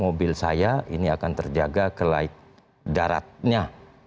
mobil saya ini akan terjaga ke daratnya